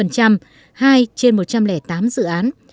hai trên một trăm linh tám dự án